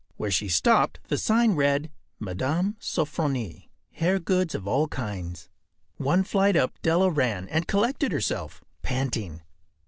Where she stopped the sign read: “Mme. Sofronie. Hair Goods of All Kinds.” One flight up Della ran, and collected herself, panting.